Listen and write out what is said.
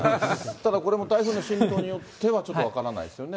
ただ、これも台風の進路によっては、ちょっと分からないですよね。